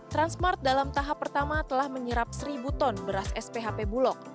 transmart dalam tahap pertama telah menyerap seribu ton beras sphp bulog